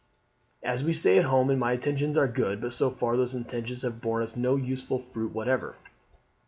As we say at home, my intentions are good; but so far the intentions have borne no useful fruit whatever.